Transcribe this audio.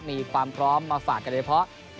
มีความพร้อมมาฝากกันโดยเฉพาะ